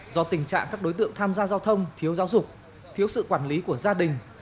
do tình trạng các đối tượng tham gia giao thông thiếu giáo dục thiếu sự quản lý của gia đình